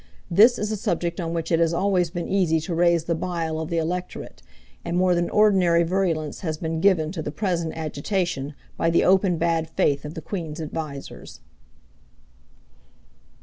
This is a subject on which it has always been easy to raise the bile of the electorate, and more than ordinary virulence has been given to the present agitation by the open bad faith of the Queen's advisers.